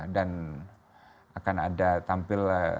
dan akan ada tampil